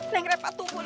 neng repa tunggu neng